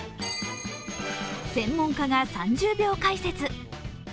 専門家が３０秒解説。